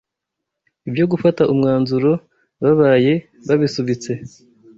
ibyo gufata umwanzuro babaye babisubitse